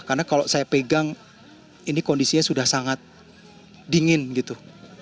karena kalau saya pegang ini kondisinya sudah sangat dingin gitu